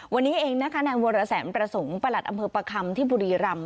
วันนี้เองนะคะนายวรแสนประสงค์ประหลัดอำเภอประคำที่บุรีรำ